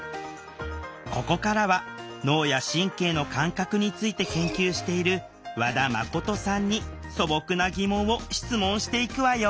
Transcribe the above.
ここからは脳や神経の感覚について研究している和田真さんに素朴なギモンを質問していくわよ